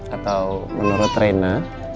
atau menurut reina